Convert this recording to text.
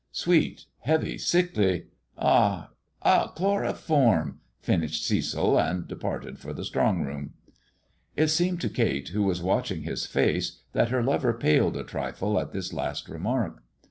Sweet ! heavy ! sickly — ah ! ah ! Chloroform !" finished Cecil, and departed for the strong room. It seemed to Kate, who was watching his face, that her lover paled a trifle at this last remark.